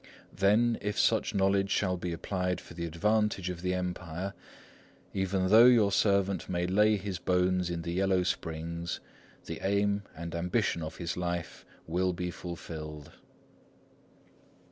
Then, if such knowledge shall be applied for the advantage of the Empire, even though your servant may lay his bones in the Yellow Springs, the aim and ambition of his life will be fulfilled."